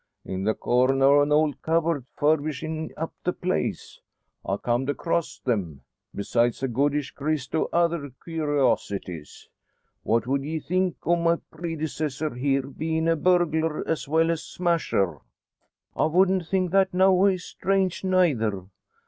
"In the corner o' an old cubbord. Furbishin' up the place, I comed across them besides a goodish grist o' other kewrosities. What would ye think o' my predecessor here bein' a burglar as well as smasher?" "I wouldn't think that noways strange neyther.